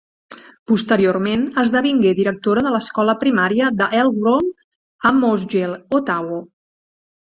Posteriorment, esdevingué directora de l'escola primària de Elmgrove a Mosgiel, Otago.